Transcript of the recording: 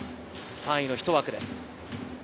３位のひと枠です。